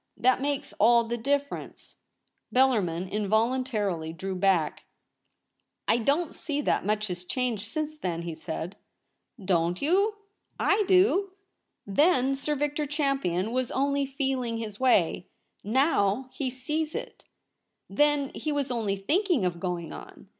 That makes all the difference.' Bellarmin involuntarily drew back. ' I 234 THE REBEL ROSE. don't see that much has changed since then,' he said. ' Don't you ? I do. T/ie7i Sir Victor Champion was only feeling his way. JVow he sees it. Then he was only thinking of going on.